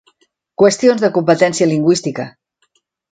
Qüestions de competència lingüística.